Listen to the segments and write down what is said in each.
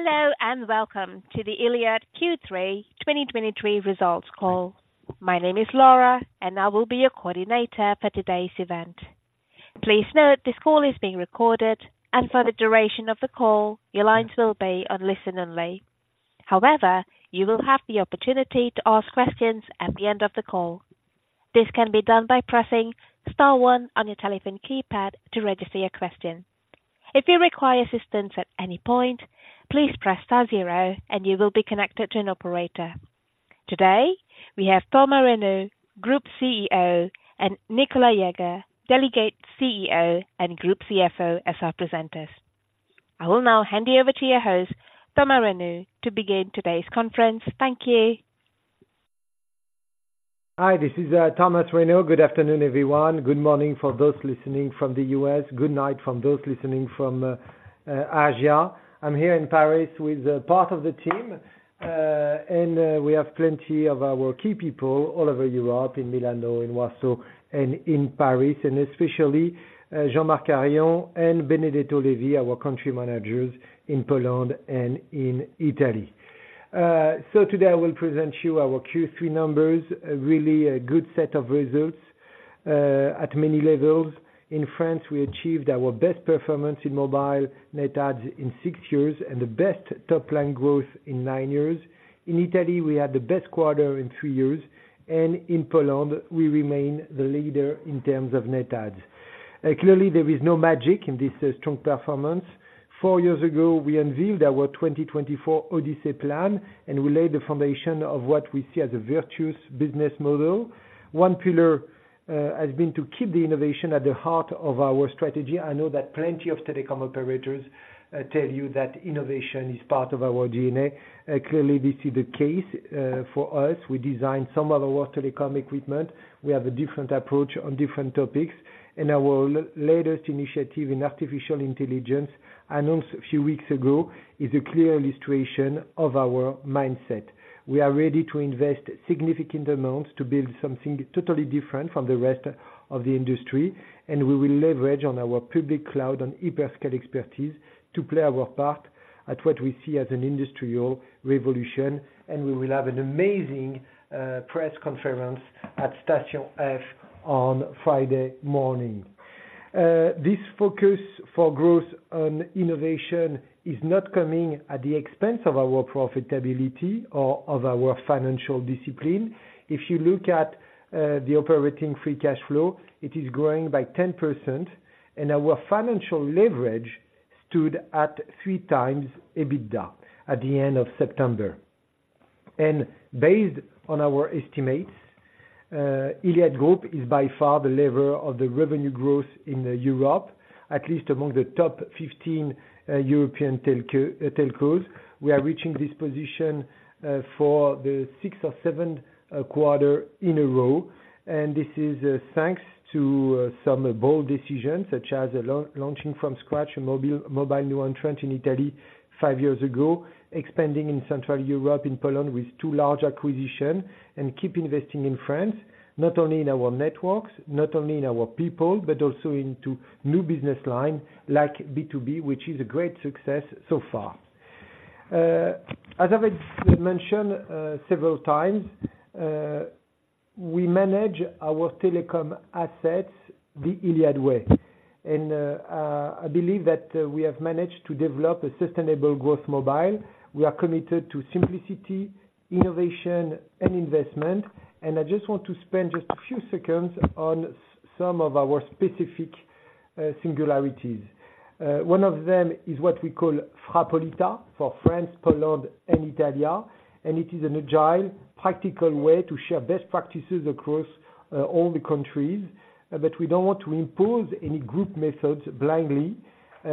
Hello, and welcome to the Iliad Q3 2023 results call. My name is Laura, and I will be your coordinator for today's event. Please note, this call is being recorded, and for the duration of the call, your lines will be on listen-only. However, you will have the opportunity to ask questions at the end of the call. This can be done by pressing star one on your telephone keypad to register your question. If you require assistance at any point, please press star zero and you will be connected to an operator. Today, we have Thomas Reynaud, Group CEO, and Nicolas Jaeger, Delegate CEO and Group CFO, as our presenters. I will now hand you over to your host, Thomas Reynaud, to begin today's conference. Thank you. Hi, this is Thomas Reynaud. Good afternoon, everyone. Good morning for those listening from the U.S. Good night from those listening from Asia. I'm here in Paris with part of the team, and we have plenty of our key people all over Europe, in Milano, in Warsaw, and in Paris, and especially Jean-Marc Harion and Benedetto Levi, our country managers in Poland and in Italy. Today I will present you our Q3 numbers, a really, a good set of results, at many levels. In France, we achieved our best performance in mobile net adds in six years, and the best top line growth in nine years. In Italy, we had the best quarter in three years, and in Poland, we remain the leader in terms of net adds. Clearly, there is no magic in this strong performance. Four years ago, we unveiled our 2024 Odyssey plan, and we laid the foundation of what we see as a virtuous business model. One pillar has been to keep the innovation at the heart of our strategy. I know that plenty of telecom operators tell you that innovation is part of our DNA. Clearly, this is the case for us. We design some of our telecom equipment. We have a different approach on different topics, and our latest initiative in artificial intelligence, announced a few weeks ago, is a clear illustration of our mindset. We are ready to invest significant amounts to build something totally different from the rest of the industry, and we will leverage on our public cloud on hyperscale expertise to play our part at what we see as an industrial revolution, and we will have an amazing, press conference at Station F on Friday morning. This focus for growth on innovation is not coming at the expense of our profitability or of our financial discipline. If you look at the operating free cash flow, it is growing by 10%, and our financial leverage stood at 3x EBITDA at the end of September. Based on our estimates, Iliad Group is by far the lever of the revenue growth in Europe, at least among the top 15 European telcos. We are reaching this position for the sixth or seventh quarter in a row, and this is thanks to some bold decisions, such as launching from scratch a mobile new entrant in Italy five years ago, expanding in Central Europe, in Poland, with two large acquisition, and keep investing in France, not only in our networks, not only in our people, but also into new business line, like B2B, which is a great success so far. As I've mentioned several times, we manage our telecom assets the Iliad way, and I believe that we have managed to develop a sustainable growth mobile. We are committed to simplicity, innovation, and investment, and I just want to spend just a few seconds on some of our specific singularities. One of them is what we call Frapolita for France, Poland, and Italia, and it is an agile, practical way to share best practices across all the countries. But we don't want to impose any group methods blindly.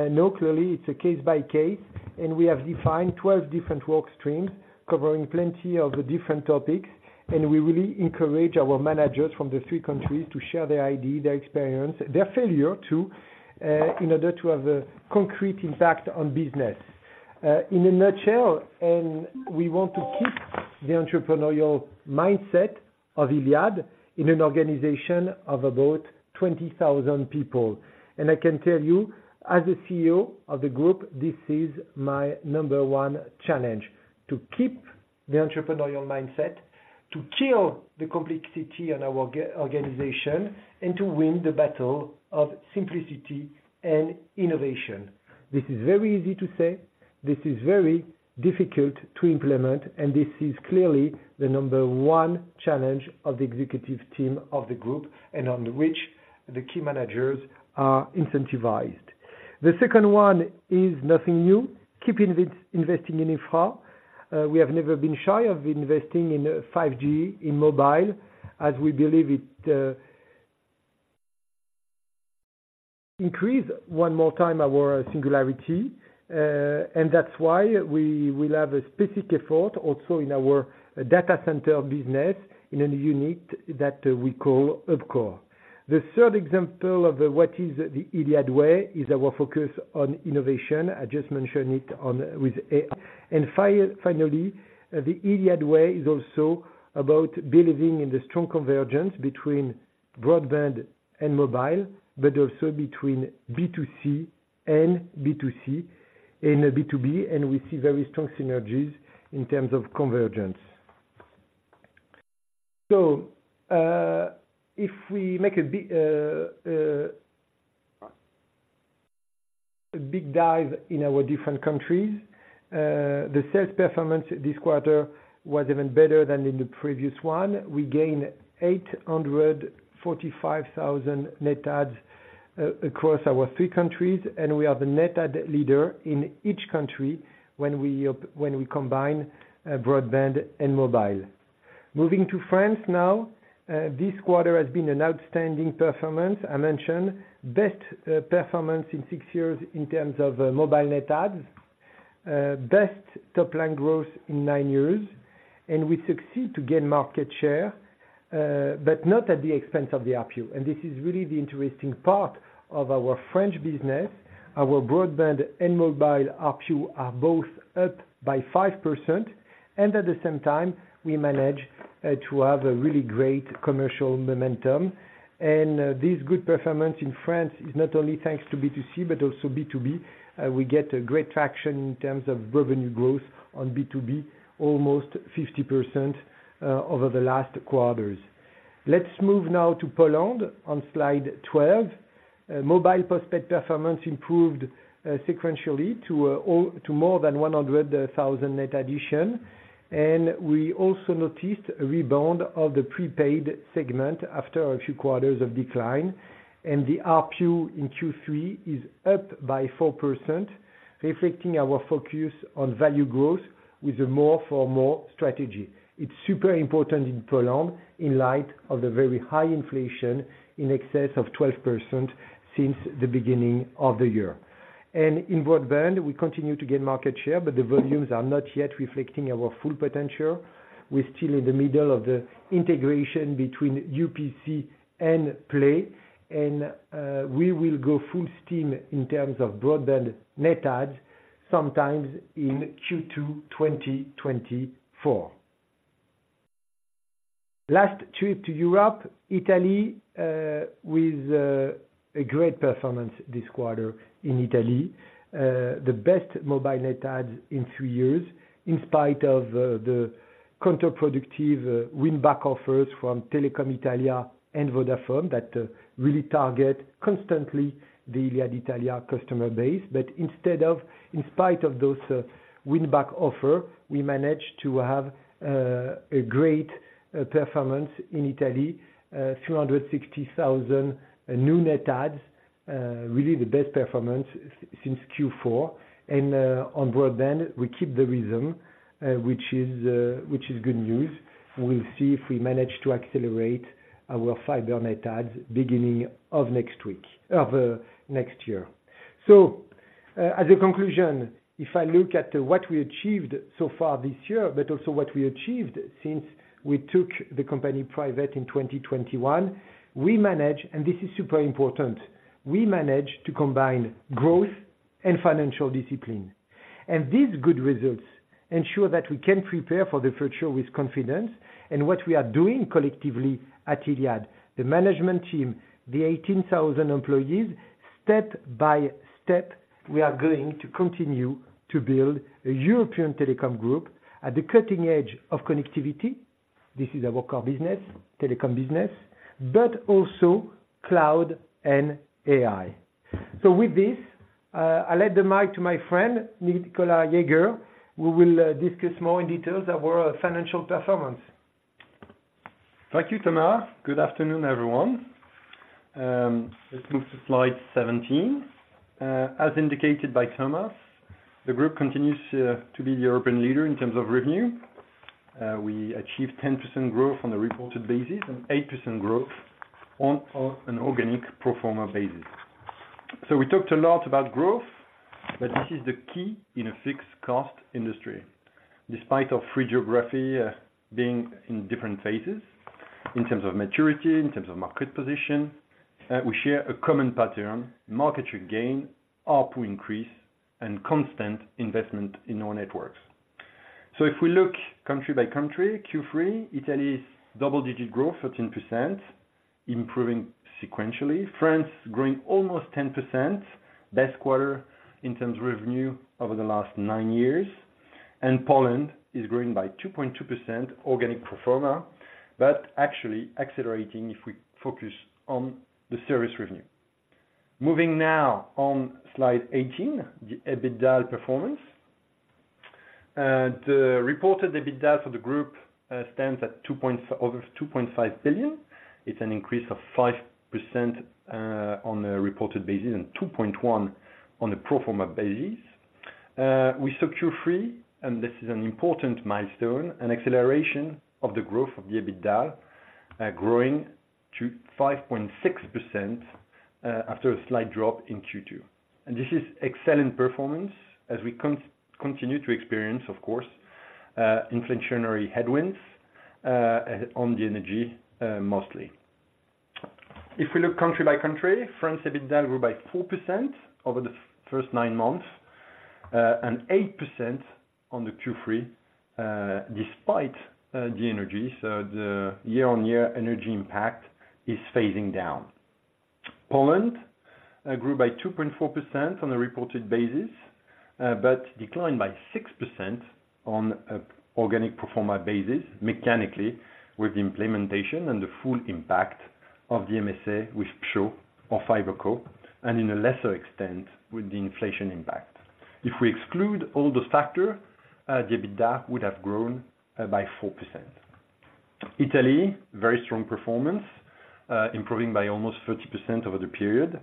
No, clearly it's a case by case, and we have defined 12 different work streams covering plenty of different topics, and we really encourage our managers from the three countries to share their idea, their experience, their failure, too, in order to have a concrete impact on business. In a nutshell, and we want to keep the entrepreneurial mindset of Iliad in an organization of about 20,000 people. And I can tell you, as a CEO of the group, this is my number one challenge: to keep the entrepreneurial mindset, to kill the complexity in our organization, and to win the battle of simplicity and innovation. This is very easy to say, this is very difficult to implement, and this is clearly the number one challenge of the executive team of the group, and on which the key managers are incentivized. The second one is nothing new, keeping investing in infra. We have never been shy of investing in 5G, in mobile, as we believe it increase one more time, our singularity. And that's why we will have a specific effort also in our data center business, in a unit that we call OpCore. The third example of what is the Iliad way is our focus on innovation. I just mentioned it. Finally, the Iliad way is also about believing in the strong convergence between broadband and mobile, but also between B2C and B2C and B2B, and we see very strong synergies in terms of convergence. So, if we make a big dive in our different countries, the sales performance this quarter was even better than in the previous one. We gained 845,000 net adds across our three countries, and we are the net add leader in each country when we combine broadband and mobile. Moving to France now, this quarter has been an outstanding performance. I mentioned best performance in six years in terms of mobile Net Adds, best top-line growth in nine years, and we succeed to gain market share, but not at the expense of the ARPU. This is really the interesting part of our French business. Our broadband and mobile ARPU are both up by 5%, and at the same time, we manage to have a really great commercial momentum. This good performance in France is not only thanks to B2C, but also B2B. We get a great traction in terms of revenue growth on B2B, almost 50% over the last quarters. Let's move now to Poland on slide 12. Mobile postpaid performance improved sequentially to more than 100,000 net addition. We also noticed a rebound of the prepaid segment after a few quarters of decline, and the ARPU in Q3 is up by 4%, reflecting our focus on value growth with the more for more strategy. It's super important in Poland, in light of the very high inflation in excess of 12% since the beginning of the year. In broadband, we continue to gain market share, but the volumes are not yet reflecting our full potential. We're still in the middle of the integration between UPC and Play, and we will go full steam in terms of broadband net adds, sometimes in Q2 2024. Last trip to Europe, Italy, with a great performance this quarter in Italy. The best mobile net adds in three years, in spite of the counterproductive win back offers from Telecom Italia and Vodafone that really target constantly the Iliad Italia customer base. But instead of, in spite of those win back offer, we managed to have a great performance in Italy. 360,000 new net adds, really the best performance since Q4. And on broadband, we keep the rhythm, which is good news. We'll see if we manage to accelerate our fiber net adds beginning of next year. So, as a conclusion, if I look at what we achieved so far this year, but also what we achieved since we took the company private in 2021, we managed, and this is super important, we managed to combine growth and financial discipline. And these good results ensure that we can prepare for the future with confidence. And what we are doing collectively at Iliad, the management team, the 18,000 employees, step by step, we are going to continue to build a European telecom group at the cutting edge of connectivity. This is our core business, telecom business, but also cloud and AI. So with this, I let the mic to my friend, Nicolas Jaeger, who will, discuss more in details about our financial performance. Thank you, Thomas. Good afternoon, everyone. Let's move to slide 17. As indicated by Thomas, the group continues to be the European leader in terms of revenue. We achieved 10% growth on a reported basis, and 8% growth on an organic pro forma basis. So we talked a lot about growth, but this is the key in a fixed cost industry. Despite our three geographies being in different phases in terms of maturity, in terms of market position, we share a common pattern, market share gain, ARPU increase, and constant investment in our networks. So if we look country by country, in Q3, Italy's double-digit growth, 13%, improving sequentially. France growing almost 10%, best quarter in terms of revenue over the last nine years. Poland is growing by 2.2% organic pro forma, but actually accelerating if we focus on the service revenue. Moving now on slide 18, the EBITDA performance. The reported EBITDA for the group stands at over 2.5 billion. It's an increase of 5% on a reported basis, and 2.1 on a pro forma basis. We saw Q3, and this is an important milestone, an acceleration of the growth of the EBITDA, growing to 5.6% after a slight drop in Q2. This is excellent performance as we continue to experience, of course, inflationary headwinds on the energy, mostly. If we look country by country, France EBITDA grew by 4% over the first nine months.... 8% on the Q3, despite the energy. So the year-on-year energy impact is phasing down. Poland grew by 2.4% on a reported basis, but declined by 6% on organic pro forma basis, mechanically, with the implementation and the full impact of the MSA with towerco or Fiberco, and in a lesser extent, with the inflation impact. If we exclude all those factors, the EBITDA would have grown by 4%. Italy, very strong performance, improving by almost 30% over the period,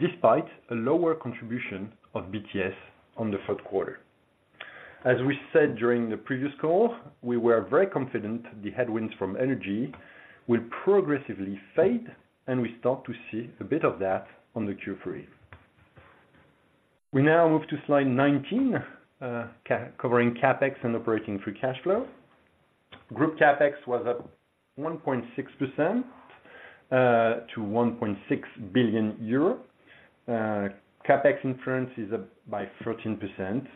despite a lower contribution of BTS on the third quarter. As we said during the previous call, we were very confident the headwinds from energy will progressively fade, and we start to see a bit of that on the Q3. We now move to slide 19, covering CapEx and operating free cash flow. Group CapEx was up 1.6%, to 1.6 billion euro. CapEx intensity is up by 13%.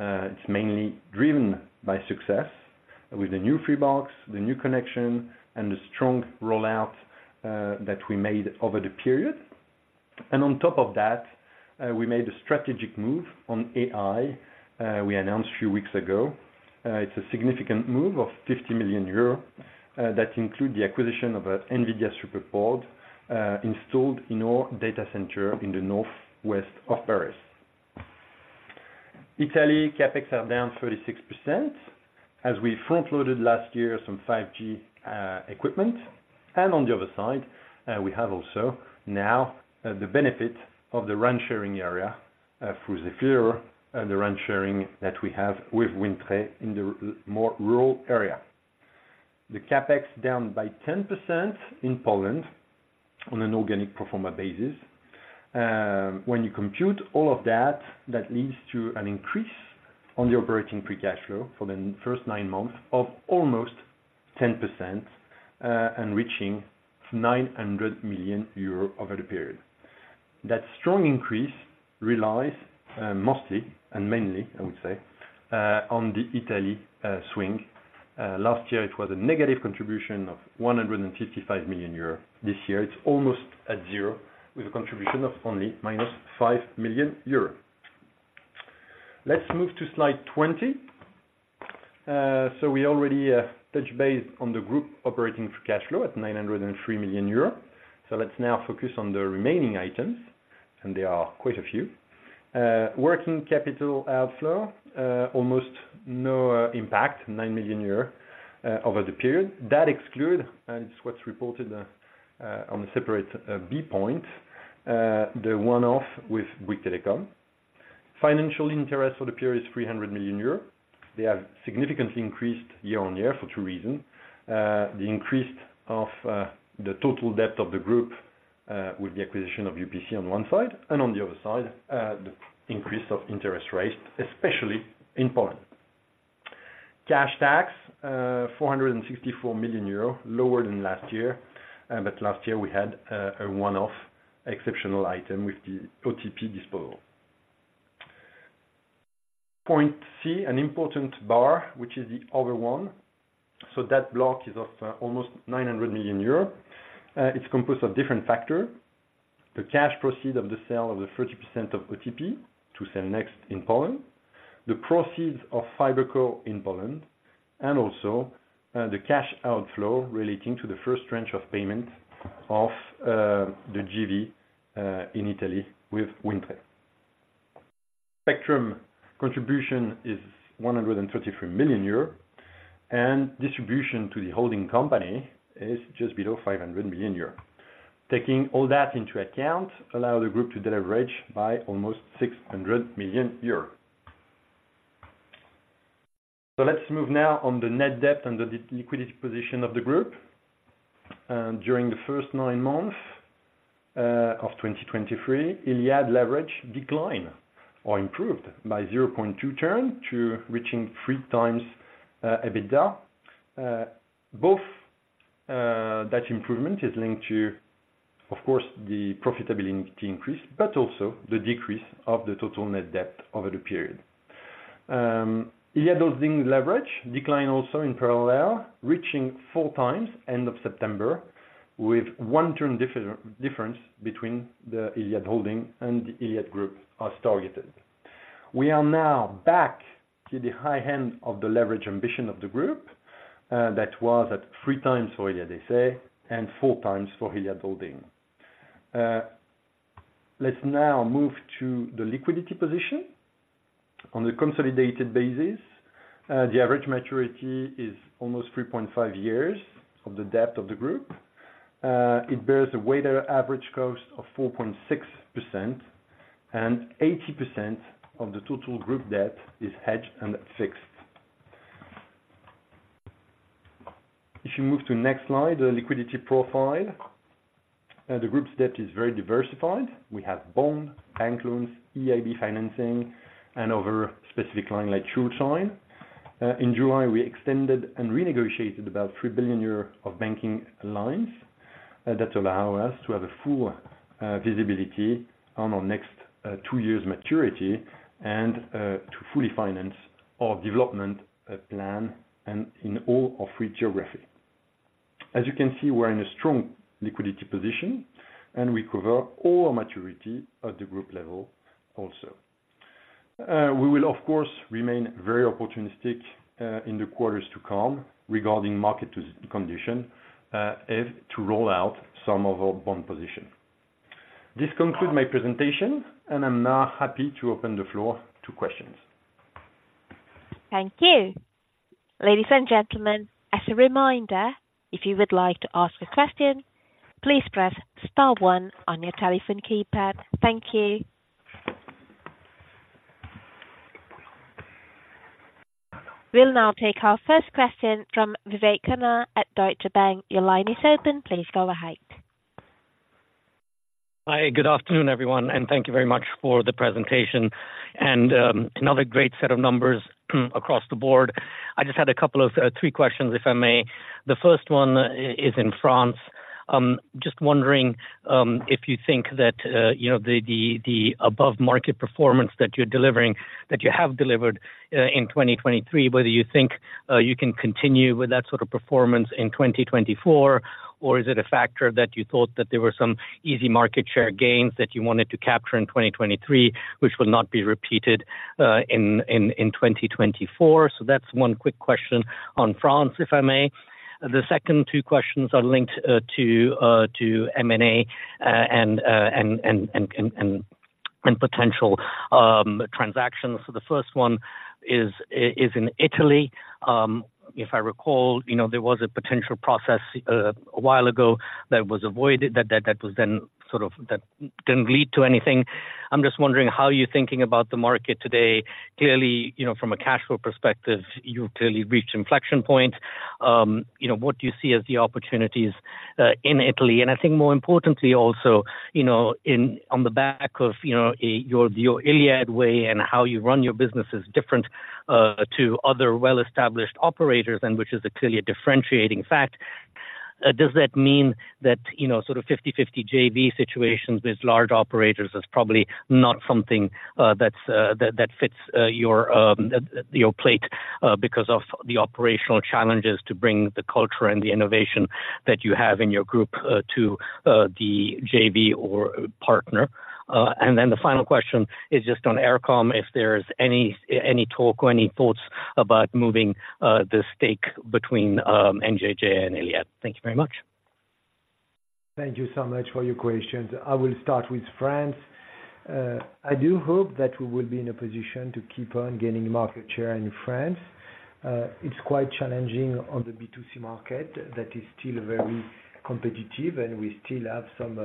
It's mainly driven by success with the new Freebox, the new connection, and the strong rollout that we made over the period. And on top of that, we made a strategic move on AI that we announced a few weeks ago. It's a significant move of 50 million euros that include the acquisition of a NVIDIA SuperPOD, installed in our data center in the northwest of Paris. Italy, CapEx are down 36%, as we front-loaded last year, some 5G equipment. On the other side, we have also now the benefit of the RAN sharing area through Zefiro, the RAN sharing that we have with Wind Tre in the more rural area. The CapEx down by 10% in Poland on an organic pro forma basis. When you compute all of that, that leads to an increase on the operating free cash flow for the first nine months of almost 10% and reaching 900 million euros over the period. That strong increase relies mostly and mainly, I would say, on the Italy swing. Last year, it was a negative contribution of 155 million euros. This year, it's almost at zero, with a contribution of only -5 million euros. Let's move to slide 20. So we already touched base on the group operating free cash flow at 903 million euros. So let's now focus on the remaining items, and there are quite a few. Working capital outflow almost no impact, 9 million euros over the period. That exclude, and it's what's reported on a separate B point the one-off with Bouygues Telecom. Financial interest for the period is 300 million euros. They have significantly increased year-on-year for two reasons: the increase of the total debt of the group with the acquisition of UPC on one side, and on the other side the increase of interest rates, especially in Poland. Cash tax 464 million euro, lower than last year. But last year we had a one-off exceptional item with the OTP disposal. Point C, an important bar, which is the other one. So that block is of almost 900 million euros. It's composed of different factors: the cash proceeds of the sale of the 30% of OTP to Cellnex in Poland, the proceeds of Fiberco in Poland, and also the cash outflow relating to the first tranche of payment of the JV in Italy with Wind Tre. Spectrum contribution is 133 million euros, and distribution to the holding company is just below 500 million euros. Taking all that into account, allow the group to deleverage by almost 600 million euros. So let's move now on the net debt and the liquidity position of the group. During the first nine months of 2023, Iliad leverage declined or improved by 0.2 turn to reaching 3x EBITDA. Both, that improvement is linked to, of course, the profitability increase, but also the decrease of the total net debt over the period. Iliad Holding leverage declined also in parallel, reaching 4x end of September, with one turn difference between the Iliad Holding and the Iliad Group as targeted. We are now back to the high end of the leverage ambition of the group, that was at 3x for Iliad S.A. and 4x for Iliad Holding. Let's now move to the liquidity position. On a consolidated basis, the average maturity is almost 3.5 years of the debt of the group. It bears a weighted average cost of 4.6%, and 80% of the total group debt is hedged and fixed. If you move to the next slide, the liquidity profile. The group's debt is very diversified. We have bond, bank loans, EIB financing, and other specific line like Truist. In July, we extended and renegotiated about 3 billion euros of banking lines. ... that allow us to have a full visibility on our next two years maturity and to fully finance our development plan and in all our three geographies. As you can see, we're in a strong liquidity position, and we cover all maturities at the group level also. We will, of course, remain very opportunistic in the quarters to come, regarding market conditions in order to roll over some of our bond positions. This concludes my presentation, and I'm now happy to open the floor to questions. Thank you. Ladies and gentlemen, as a reminder, if you would like to ask a question, please press star one on your telephone keypad. Thank you. We'll now take our first question from Vivek Khanna at Deutsche Bank. Your line is open. Please go ahead. Hi, good afternoon, everyone, and thank you very much for the presentation and another great set of numbers across the board. I just had a couple of three questions, if I may. The first one is in France. Just wondering if you think that you know the above market performance that you're delivering, that you have delivered in 2023, whether you think you can continue with that sort of performance in 2024, or is it a factor that you thought that there were some easy market share gains that you wanted to capture in 2023, which will not be repeated in 2024? So that's one quick question on France, if I may. The second two questions are linked to M&A and potential transactions. So the first one is in Italy. If I recall, you know, there was a potential process a while ago that was avoided, that was then sort of that didn't lead to anything. I'm just wondering how you're thinking about the market today. Clearly, you know, from a cash flow perspective, you've clearly reached inflection point. You know, what do you see as the opportunities in Italy? And I think more importantly, also, you know, on the back of your iliad way and how you run your business is different to other well-established operators, and which is clearly a differentiating fact. Does that mean that, you know, sort of 50/50 JV situations with large operators is probably not something that's that fits your your plate because of the operational challenges to bring the culture and the innovation that you have in your group to the JV or partner? And then the final question is just on Eircom, if there's any any talk or any thoughts about moving the stake between NJJ and iliad? Thank you very much. Thank you so much for your questions. I will start with France. I do hope that we will be in a position to keep on gaining market share in France. It's quite challenging on the B2C market that is still very competitive, and we still have some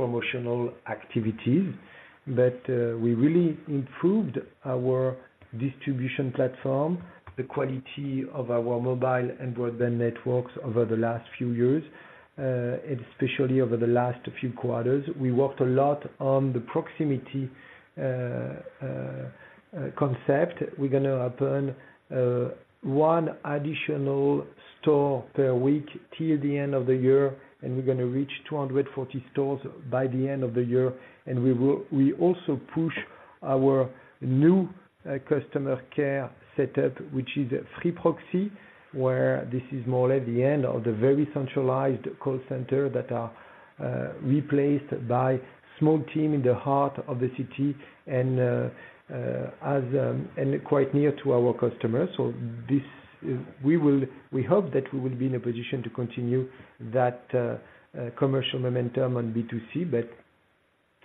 promotional activities. But, we really improved our distribution platform, the quality of our mobile and broadband networks over the last few years, and especially over the last few quarters. We worked a lot on the proximity concept. We're gonna open one additional store per week, till the end of the year, and we're gonna reach 240 stores by the end of the year. And we also push our new customer care setup, which is Free Proxi, where this is more at the end of the very centralized call centers that are replaced by small teams in the heart of the city, and quite near to our customers. So we hope that we will be in a position to continue that commercial momentum on B2C, but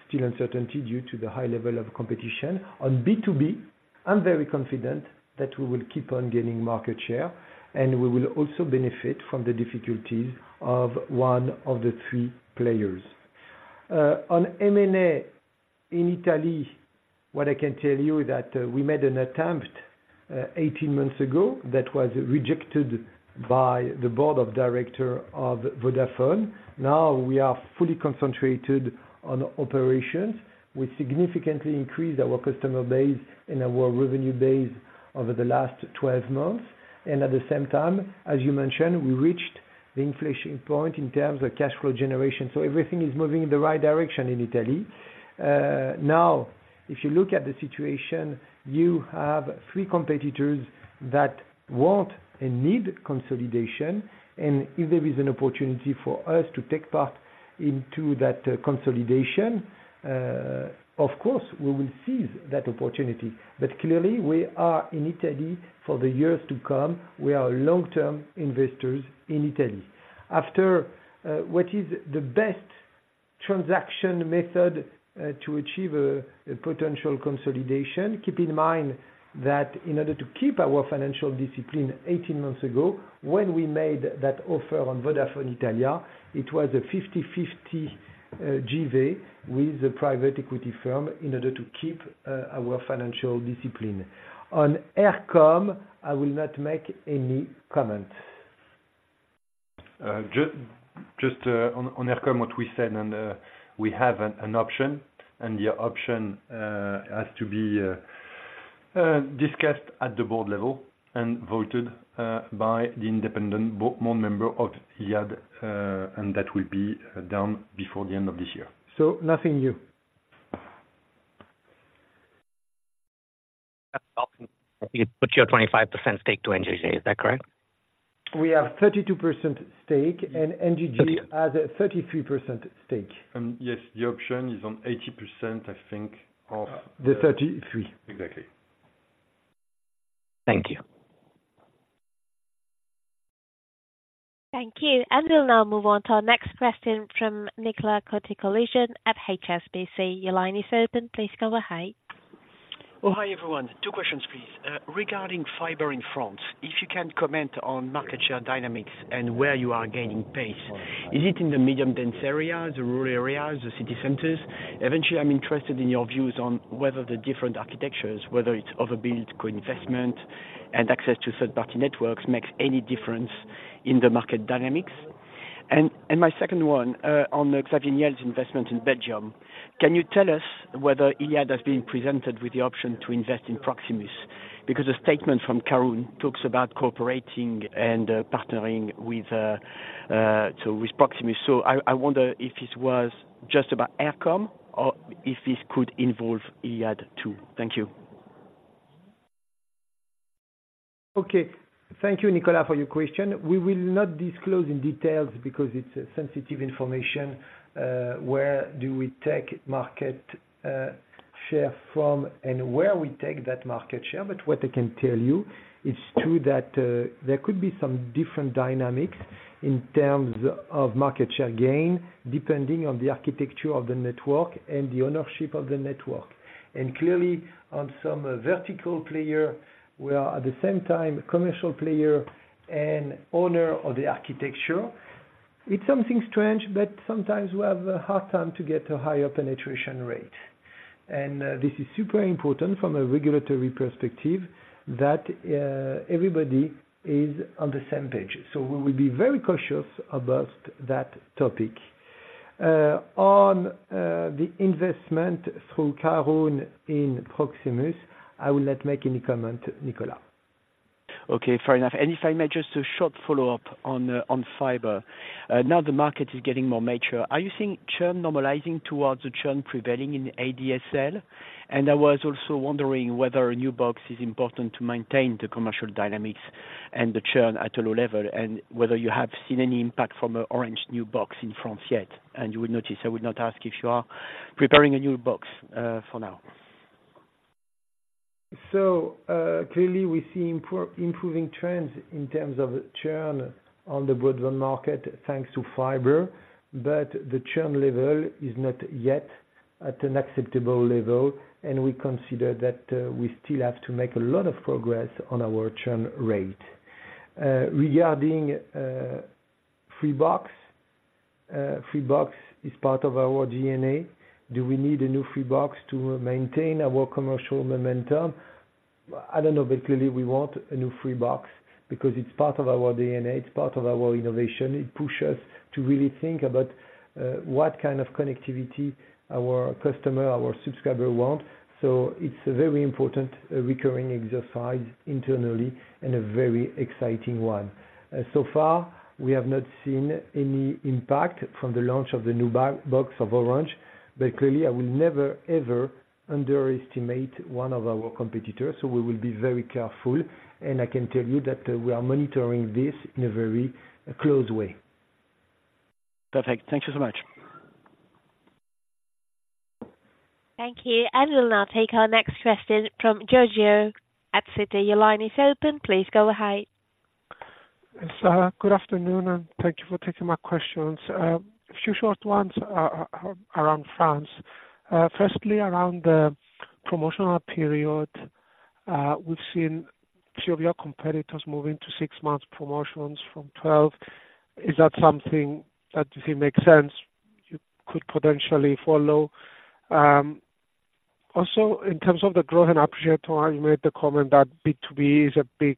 still uncertainty due to the high level of competition. On B2B, I'm very confident that we will keep on gaining market share, and we will also benefit from the difficulties of one of the three players. On M&A in Italy, what I can tell you is that we made an attempt 18 months ago that was rejected by the board of directors of Vodafone. Now, we are fully concentrated on operations. We significantly increased our customer base and our revenue base over the last 12 months, and at the same time, as you mentioned, we reached the inflection point in terms of cash flow generation. So everything is moving in the right direction in Italy. Now, if you look at the situation, you have three competitors that want and need consolidation, and if there is an opportunity for us to take part into that consolidation, of course, we will seize that opportunity. But clearly, we are in Italy for the years to come. We are long-term investors in Italy. After, what is the best transaction method to achieve a potential consolidation? Keep in mind that in order to keep our financial discipline, 18 months ago, when we made that offer on Vodafone Italia, it was a 50/50 JV with a private equity firm in order to keep our financial discipline. On Eircom, I will not make any comments. Just on Eircom, what we said, and we have an option, and the option has to be-... discussed at the board level and voted by the independent board member of iliad, and that will be done before the end of this year. So nothing new. You put your 25% stake to NJJ, is that correct? We have 32% stake, and NJJ has a 33% stake. Yes, the option is on 80%, I think, of- The thirty-three. Exactly. Thank you. Thank you. We'll now move on to our next question from Nicolas Cote-Colisson at HSBC. Your line is open. Please go ahead. Oh, hi, everyone. Two questions, please. Regarding fiber in France, if you can comment on market share dynamics and where you are gaining pace, is it in the medium dense area, the rural areas, the city centers? Eventually, I'm interested in your views on whether the different architectures, whether it's overbuild, co-investment, and access to third party networks, makes any difference in the market dynamics. And, and my second one, on the Xavier Niel's investment in Belgium, can you tell us whether Iliad has been presented with the option to invest in Proximus? Because a statement from talks about cooperating and partnering with, so with Proximus. So I, I wonder if it was just about Eircom or if this could involve Iliad, too. Thank you. Okay. Thank you, Nicola, for your question. We will not disclose in details because it's sensitive information where do we take market share from and where we take that market share. But what I can tell you, it's true that there could be some different dynamics in terms of market share gain, depending on the architecture of the network and the ownership of the network. And clearly, on some vertical player, where at the same time, commercial player and owner of the architecture, it's something strange, but sometimes we have a hard time to get a higher penetration rate. And this is super important from a regulatory perspective that everybody is on the same page. So we will be very cautious about that topic. On the investment through Carraun in Proximus, I will not make any comment, Nicola. Okay, fair enough. And if I may, just a short follow-up on fiber. Now, the market is getting more mature. Are you seeing churn normalizing towards the churn prevailing in ADSL? And I was also wondering whether a new box is important to maintain the commercial dynamics and the churn at a low level, and whether you have seen any impact from an Orange new box in France yet, and you will notice I would not ask if you are preparing a new box for now. So, clearly, we see improving trends in terms of churn on the broadband market, thanks to fiber. But the churn level is not yet at an acceptable level, and we consider that we still have to make a lot of progress on our churn rate. Regarding Freebox, Freebox is part of our DNA. Do we need a new Freebox to maintain our commercial momentum? I don't know, but clearly we want a new Freebox because it's part of our DNA, it's part of our innovation. It pushes us to really think about what kind of connectivity our customer, our subscriber want. So it's a very important recurring exercise internally and a very exciting one. So far, we have not seen any impact from the launch of the new Bbox of Orange, but clearly I will never, ever underestimate one of our competitors, so we will be very careful. And I can tell you that, we are monitoring this in a very close way. Perfect. Thank you so much. Thank you. We'll now take our next question from Giorgio at Citi. Your line is open. Please go ahead. Good afternoon, and thank you for taking my questions. A few short ones around France. Firstly, around the promotional period, we've seen a few of your competitors moving to six months promotions from 12. Is that something that you think makes sense, you could potentially follow? Also, in terms of the growth and upshare, you made the comment that B2B is a big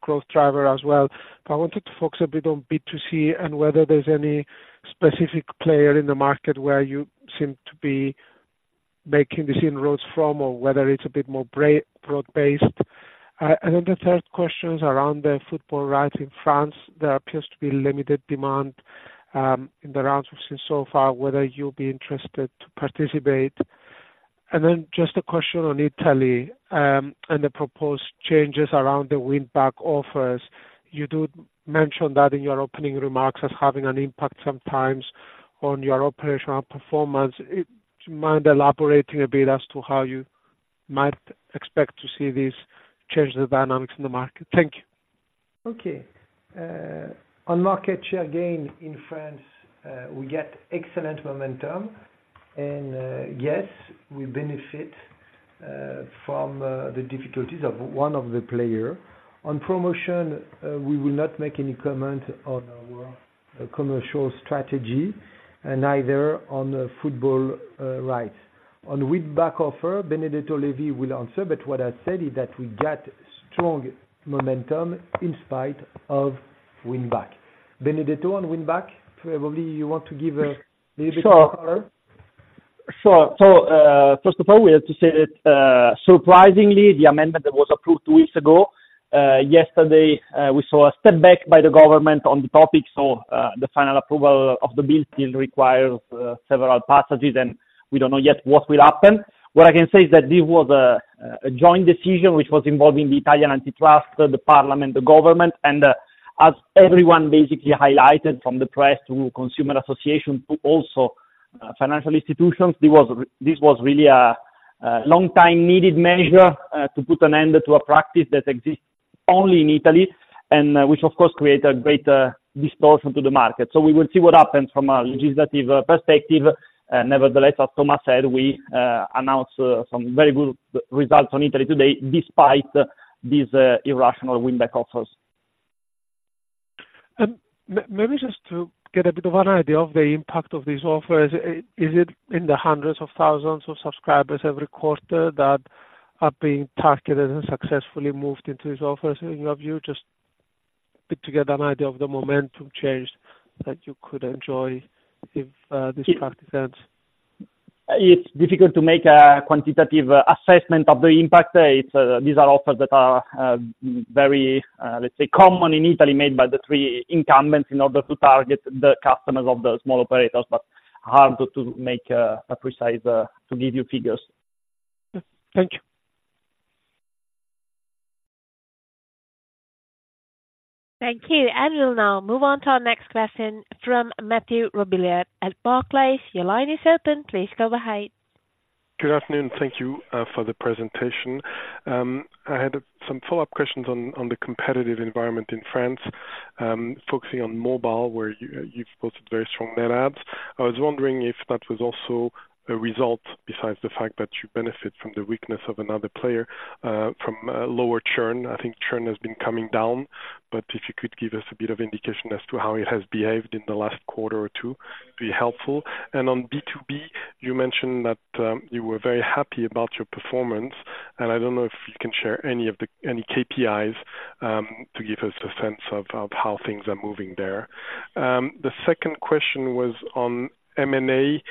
growth driver as well. I wanted to focus a bit on B2C and whether there's any specific player in the market where you seem to be making the inroads from, or whether it's a bit more broad-based. And then the third question is around the football rights in France. There appears to be limited demand in the rounds we've seen so far, whether you'll be interested to participate. Then just a question on Italy, and the proposed changes around the Win Back Offers. You do mention that in your opening remarks as having an impact sometimes on your operational performance. Mind elaborating a bit as to how you might expect to see these change the dynamics in the market? Thank you. Okay. On market share gain in France, we get excellent momentum, and, yes, we benefit from the difficulties of one of the player. On promotion, we will not make any comment on our commercial strategy and either on the football, rights. On win back offer, Benedetto Levi will answer, but what I said is that we get strong momentum in spite of win back. Benedetto, on win back, probably you want to give a little bit more color?... So, first of all, we have to say that, surprisingly, the amendment that was approved two weeks ago, yesterday, we saw a step back by the government on the topic. So, the final approval of the bill still requires, several passages, and we don't know yet what will happen. What I can say is that this was a joint decision which was involving the Italian Antitrust, the parliament, the government, and, as everyone basically highlighted from the press to consumer association, to also, financial institutions, this was really a long time needed measure, to put an end to a practice that exists only in Italy, and, which of course, created a great, distortion to the market. So we will see what happens from a legislative, perspective. Nevertheless, as Thomas said, we announce some very good results in Italy today, despite these irrational win-back offers. And maybe just to get a bit of an idea of the impact of these offers. Is it in the hundreds of thousands of subscribers every quarter that are being targeted and successfully moved into these offers in your view? Just put together an idea of the momentum change that you could enjoy if this practice ends. It's difficult to make a quantitative assessment of the impact. These are offers that are very, let's say, common in Italy, made by the three incumbents in order to target the customers of the small operators, but hard to make a precise, to give you figures. Thank you. Thank you. We'll now move on to our next question from Mathieu Robilliard at Barclays. Your line is open. Please go ahead. Good afternoon. Thank you for the presentation. I had some follow-up questions on the competitive environment in France. Focusing on mobile, where you've posted very strong net adds. I was wondering if that was also a result, besides the fact that you benefit from the weakness of another player, from lower churn. I think churn has been coming down, but if you could give us a bit of indication as to how it has behaved in the last quarter or two, it'd be helpful. And on B2B, you mentioned that you were very happy about your performance, and I don't know if you can share any KPIs to give us a sense of how things are moving there. The second question was on M&A.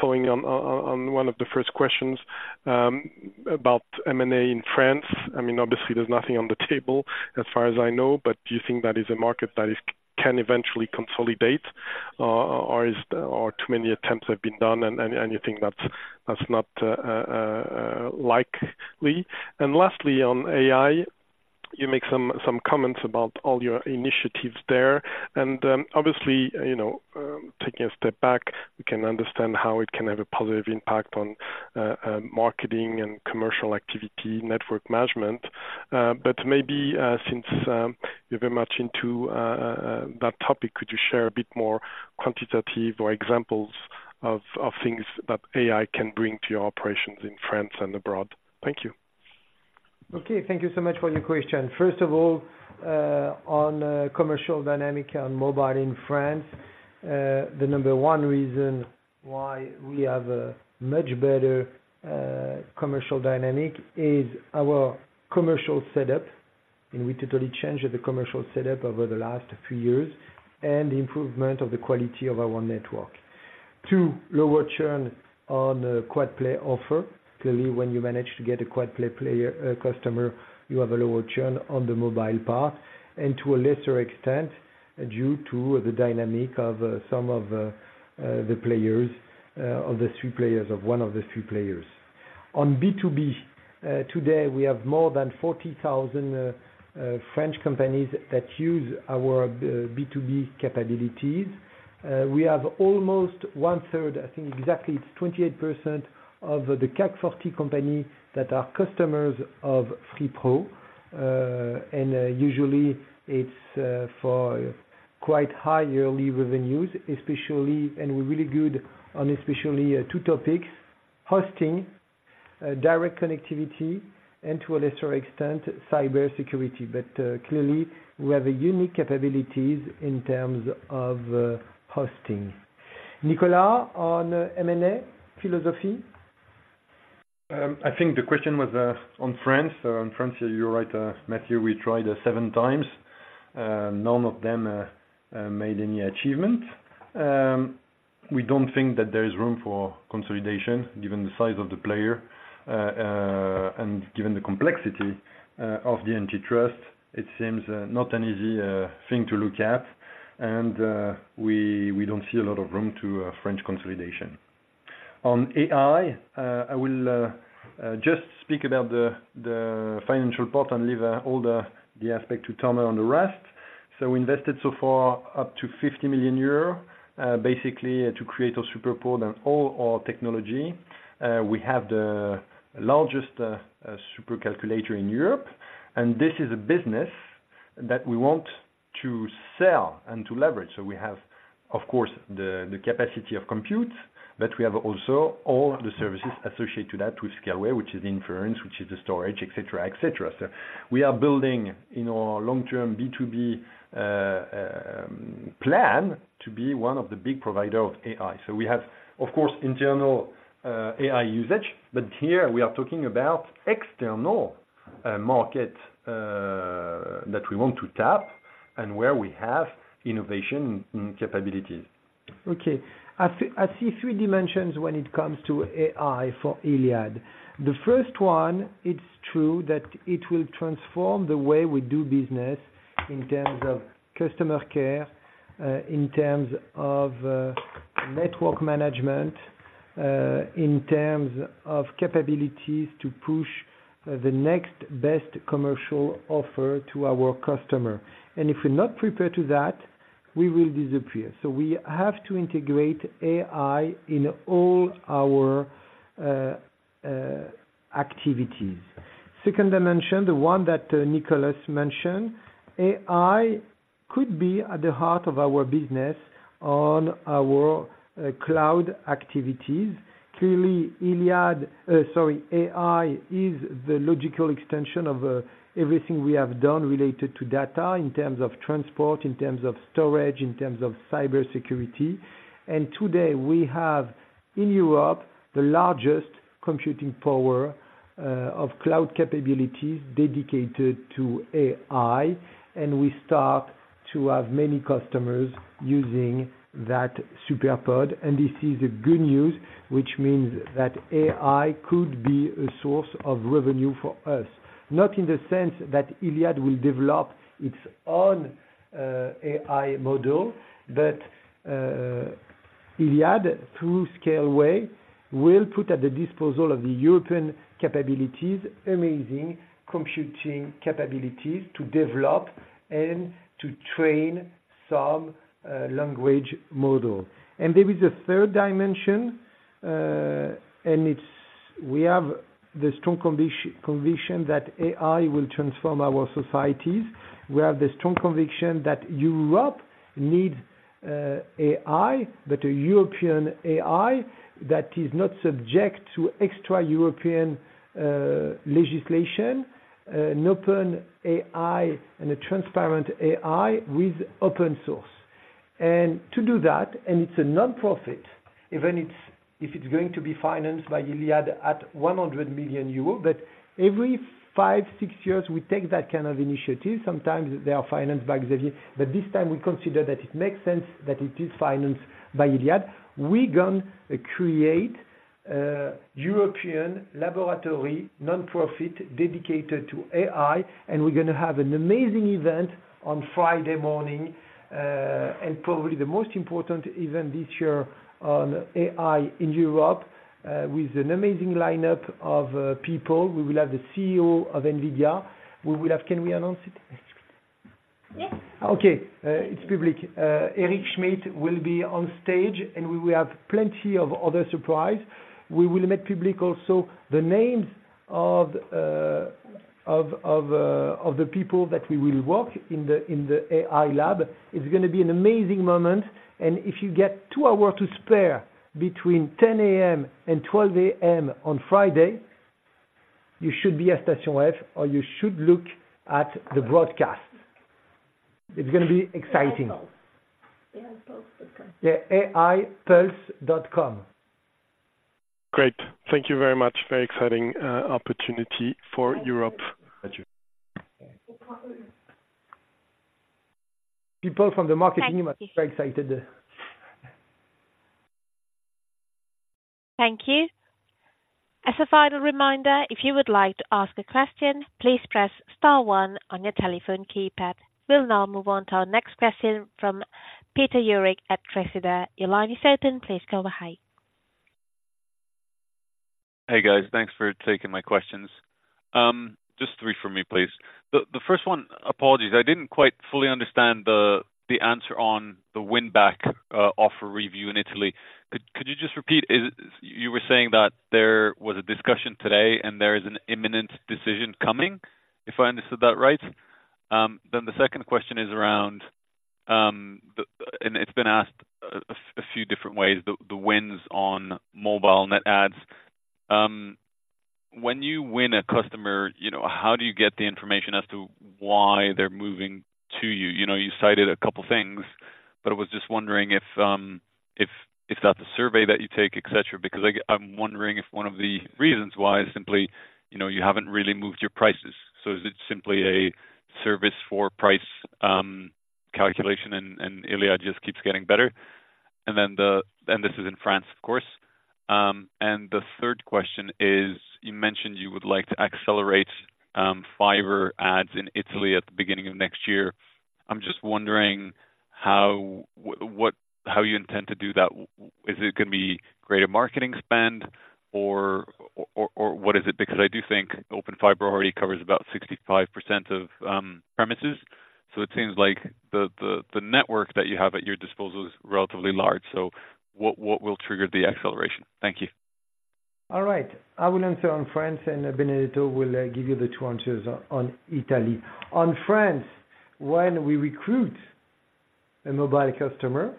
Following on one of the first questions about M&A in France. I mean, obviously there's nothing on the table as far as I know, but do you think that is a market that is can eventually consolidate or is or too many attempts have been done, and you think that's not likely? And lastly, on AI, you make some comments about all your initiatives there. And obviously, you know, taking a step back, we can understand how it can have a positive impact on marketing and commercial activity, network management. But maybe since you're very much into that topic, could you share a bit more quantitative or examples of things that AI can bring to your operations in France and abroad? Thank you. Okay. Thank you so much for your question. First of all, on commercial dynamic and mobile in France, the number one reason why we have a much better commercial dynamic is our commercial setup, and we totally changed the commercial setup over the last few years, and the improvement of the quality of our network. Two, lower churn on the Quad Play offer. Clearly, when you manage to get a Quad Play player, customer, you have a lower churn on the mobile part, and to a lesser extent, due to the dynamic of some of the players, of one of the three players. On B2B, today, we have more than 40,000 French companies that use our B2B capabilities. We have almost one third, I think exactly it's 28% of the CAC 40 company that are customers of Free Pro. And usually it's for quite high yearly revenues especially. And we're really good on especially two topics, hosting, direct connectivity, and to a lesser extent, cybersecurity. But clearly, we have unique capabilities in terms of hosting. Nicola on M&A philosophy. I think the question was on France. On France, you're right, Matthew, we tried seven times, none of them made any achievement. We don't think that there is room for consolidation, given the size of the player and given the complexity of the antitrust. It seems not an easy thing to look at, and we don't see a lot of room for French consolidation. On AI, I will just speak about the financial part and leave all the aspect to Thomas on the rest. So we invested so far up to 50 million euros, basically to create a SuperPOD and all our technology. We have the largest super calculator in Europe, and this is a business that we want to sell and to leverage. So we have, of course, the capacity of compute, but we have also all the services associated to that, with Scaleway, which is inference, which is the storage, etc., etc. So we are building in our long-term B2B plan to be one of the big provider of AI. So we have, of course, internal AI usage, but here we are talking about external market that we want to tap and where we have innovation capabilities. Okay. I see, I see three dimensions when it comes to AI for iliad. The first one, it's true that it will transform the way we do business in terms of customer care, in terms of, network management, in terms of capabilities to push, the next best commercial offer to our customer. And if we're not prepared to that, we will disappear. So we have to integrate AI in all our, activities. Second dimension, the one that, Nicolas mentioned, AI could be at the heart of our business on our, cloud activities. Clearly, iliad, sorry, AI, is the logical extension of, everything we have done related to data, in terms of transport, in terms of storage, in terms of cybersecurity. Today, we have, in Europe, the largest computing power of cloud capabilities dedicated to AI, and we start to have many customers using that super pod. This is good news, which means that AI could be a source of revenue for us. Not in the sense that iliad will develop its own AI model, but iliad, through Scaleway, will put at the disposal of the European capabilities amazing computing capabilities to develop and to train some language model. There is a third dimension, and it's we have the strong conviction that AI will transform our societies. We have the strong conviction that Europe needs AI, but a European AI that is not subject to extra-European legislation, an open AI and a transparent AI with open source. And to do that, and it's a nonprofit, even it's if it's going to be financed by iliad at 100 million euros, but every five, six years, we take that kind of initiative. Sometimes they are financed by Xavier, but this time we consider that it makes sense that it is financed by iliad. We're gonna create European laboratory, nonprofit, dedicated to AI, and we're gonna have an amazing event on Friday morning, and probably the most important event this year on AI in Europe, with an amazing lineup of people. We will have the CEO of NVIDIA, we will have... Can we announce it? Yes. Okay, it's public. Eric Schmidt will be on stage, and we will have plenty of other surprise. We will make public also the names of the people that we will work in the AI lab. It's gonna be an amazing moment, and if you get two hours to spare between 10:00 A.M. and 12:00 A.M. on Friday, you should be at Station F, or you should look at the broadcast. It's gonna be exciting. AIPulse. Yeah, AIPulse.com. Great. Thank you very much. Very exciting, opportunity for Europe. People from the marketing team are very excited. Thank you. As a final reminder, if you would like to ask a question, please press star one on your telephone keypad. We'll now move on to our next question from Peter Eurich at Tressis. Your line is open, please go ahead. Hey, guys. Thanks for taking my questions. Just three from me, please. The first one, apologies, I didn't quite fully understand the answer on the win back offer review in Italy. Could you just repeat? Is it? You were saying that there was a discussion today, and there is an imminent decision coming, if I understood that right? Then the second question is around and it's been asked a few different ways, the wins on mobile net adds. When you win a customer, you know, how do you get the information as to why they're moving to you? You know, you cited a couple things, but I was just wondering if that's a survey that you take, et cetera, because I'm wondering if one of the reasons why is simply, you know, you haven't really moved your prices. So is it simply a service for price calculation and Iliad just keeps getting better? And then... and this is in France, of course. And the third question is: you mentioned you would like to accelerate fiber adds in Italy at the beginning of next year. I'm just wondering how, what, how you intend to do that. Is it gonna be greater marketing spend or, or what is it? Because I do think Open Fiber already covers about 65% of premises. So it seems like the network that you have at your disposal is relatively large, so what will trigger the acceleration? Thank you. All right. I will answer on France, and Benedetto will give you the two answers on Italy. On France, when we recruit a mobile customer,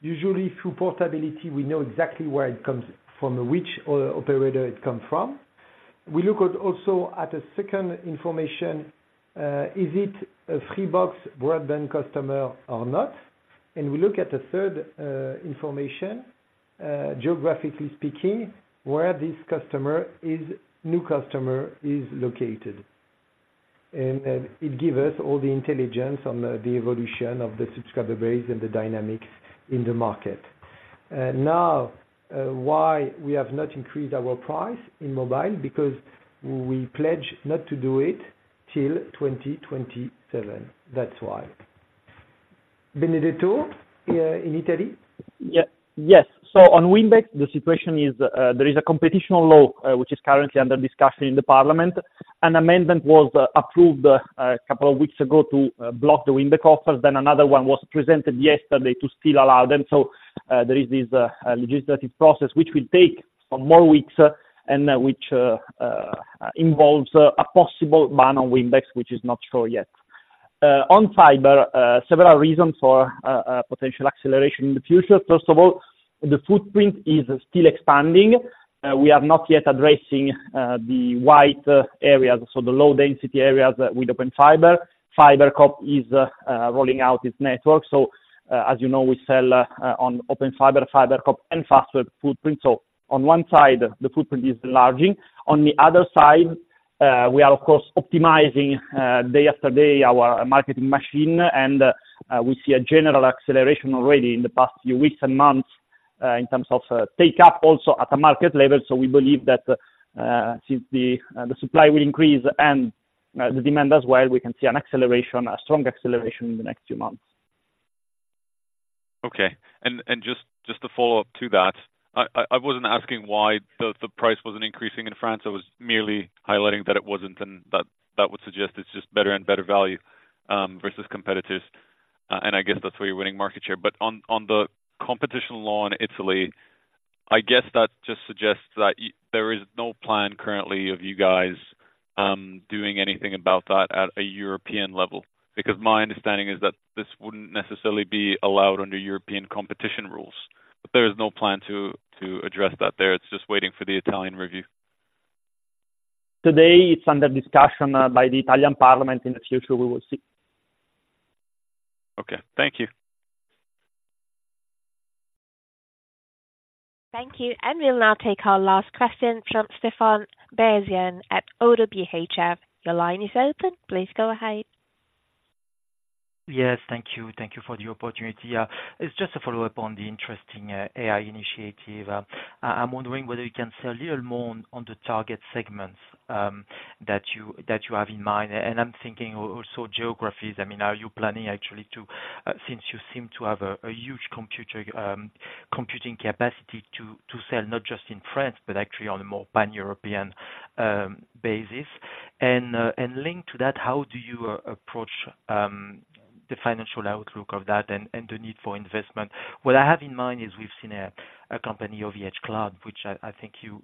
usually through portability, we know exactly where it comes from, which operator it come from. We look at also at a second information, is it a Freebox broadband customer or not? And we look at the third information, geographically speaking, where this customer is, new customer is located. And it give us all the intelligence on the evolution of the subscriber base and the dynamics in the market. Now, why we have not increased our price in mobile? Because we pledge not to do it till 2027. That's why. Benedetto, in Italy. Yeah. Yes. So on winback, the situation is, there is a competition law, which is currently under discussion in the parliament. An amendment was approved, a couple of weeks ago to block the winback offers, then another one was presented yesterday to still allow them. So, there is this legislative process, which will take some more weeks, and which involves a possible ban on winback, which is not sure yet. On fiber, several reasons for potential acceleration in the future. First of all, the footprint is still expanding. We are not yet addressing the white areas, so the low density areas with Open Fiber. FiberCop is rolling out its network. So, as you know, we sell on Open Fiber, FiberCop and Fastweb footprint. So on one side, the footprint is enlarging. On the other side, we are of course optimizing day after day our marketing machine, and we see a general acceleration already in the past few weeks and months in terms of take up also at a market level. So we believe that since the supply will increase and the demand as well, we can see an acceleration, a strong acceleration in the next few months. Okay. And just to follow up to that, I wasn't asking why the price wasn't increasing in France. I was merely highlighting that it wasn't, and that that would suggest it's just better and better value versus competitors. And I guess that's why you're winning market share. But on the competition law in Italy, I guess that just suggests that there is no plan currently of you guys doing anything about that at a European level. Because my understanding is that this wouldn't necessarily be allowed under European competition rules, but there is no plan to address that there, it's just waiting for the Italian review. Today, it's under discussion by the Italian parliament. In the future, we will see. Okay. Thank you. Thank you. We'll now take our last question from Stéphane Beyazian at Oddo BHF. Your line is open. Please go ahead. Yes, thank you. Thank you for the opportunity. It's just a follow-up on the interesting AI initiative. I'm wondering whether you can say a little more on the target segments that you have in mind, and I'm thinking also geographies. I mean, are you planning actually to, since you seem to have a huge computer computing capacity to sell, not just in France, but actually on a more pan-European basis. And linked to that, how do you approach the financial outlook of that and the need for investment? What I have in mind is we've seen a company, OVHcloud, which I think you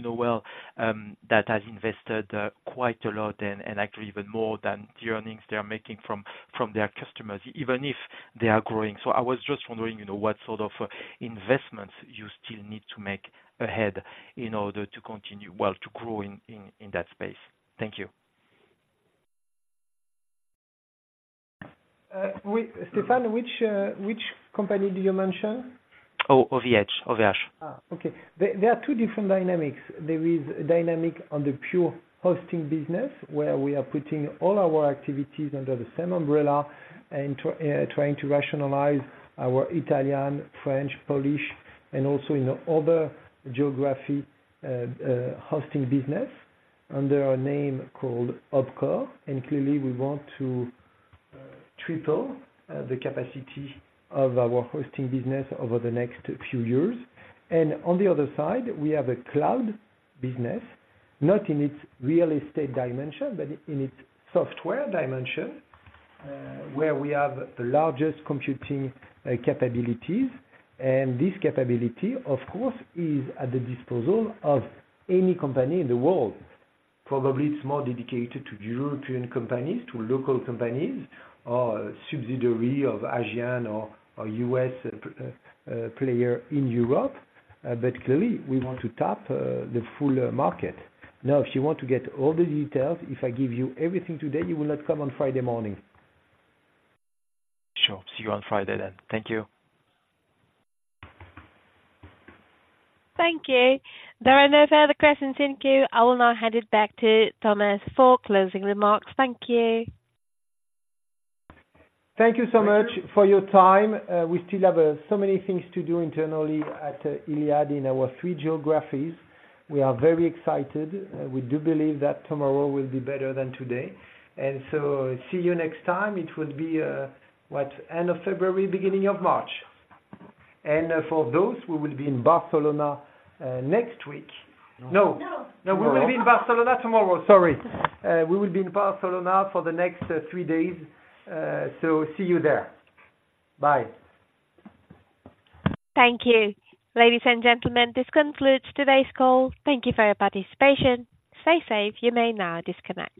know well, that has invested quite a lot and actually even more than the earnings they are making from their customers, even if they are growing. So I was just wondering, you know, what sort of investments you still need to make ahead in order to continue, well, to grow in that space. Thank you. Stefan, which company did you mention? Oh, OVH. OVH. Okay. There are two different dynamics. There is dynamic on the pure hosting business, where we are putting all our activities under the same umbrella and trying to rationalize our Italian, French, Polish, and also in other geography hosting business under a name called OpCore. And clearly we want to triple the capacity of our hosting business over the next few years. And on the other side, we have a cloud business, not in its real estate dimension, but in its software dimension, where we have the largest computing capabilities. And this capability, of course, is at the disposal of any company in the world. Probably it's more dedicated to European companies, to local companies or subsidiary of Asian or U.S. player in Europe. But clearly we want to tap the full market. Now, if you want to get all the details, if I give you everything today, you will not come on Friday morning. Sure. See you on Friday, then. Thank you. Thank you. There are no further questions in queue. I will now hand it back to Thomas for closing remarks. Thank you. Thank you so much for your time. We still have so many things to do internally at iliad in our three geographies. We are very excited. We do believe that tomorrow will be better than today, and so see you next time. It will be, what? End of February, beginning of March. And, for those, we will be in Barcelona next week. No! No. No, we will be in Barcelona tomorrow. Sorry. We will be in Barcelona for the next three days. So see you there. Bye. Thank you. Ladies and gentlemen, this concludes today's call. Thank you for your participation. Stay safe. You may now disconnect.